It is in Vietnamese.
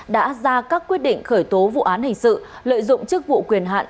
đã ra các quyết định khởi tố vụ án hình sự lợi dụng chức vụ quyền hạn